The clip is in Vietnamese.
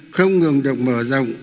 không ngừng được mở rộng